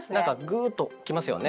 グーッと来ますよね。